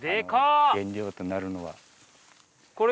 原料となるのは。